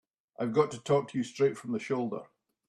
I've got to talk to you straight from the shoulder.